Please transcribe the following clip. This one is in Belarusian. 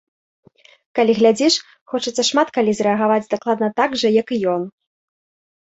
Калі глядзіш, хочацца шмат калі зрэагаваць дакладна так жа, як і ён!